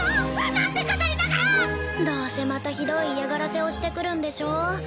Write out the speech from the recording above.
なんでカタリナが⁉どうせまたひどい嫌がらせをしてくるんでしょ？